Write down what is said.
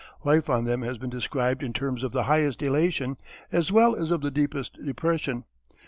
Life on them has been described in terms of the highest elation as well as of the deepest depression.